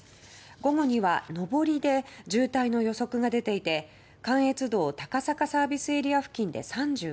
午後には、上りで渋滞の予測が出ていて関越道高坂ＳＡ付近で３５ｋｍ